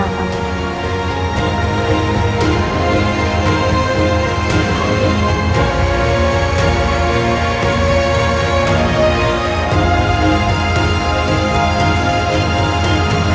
ผมรักพ่อกับแม่บ้างครับ